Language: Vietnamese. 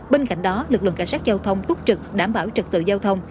bên cạnh đó lực lượng cảnh sát giao thông túc trực đảm bảo trực tự giao thông